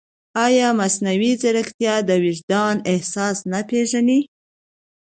ایا مصنوعي ځیرکتیا د وجدان احساس نه پېژني؟